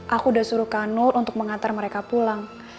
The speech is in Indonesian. aku udah suruh kak nur untuk mengantar mereka pulang